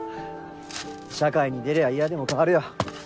社会に出りゃ嫌でも変わるよ。